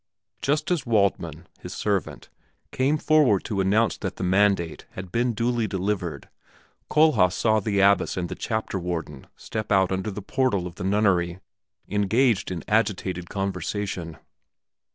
Just as Waldmann, his servant, came forward to announce that the mandate had been duly delivered, Kohlhaas saw the abbess and the chapter warden step out under the portal of the nunnery, engaged in agitated conversation.